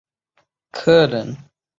客人听到后还是坚持要交货